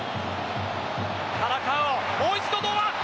田中碧、もう一度堂安。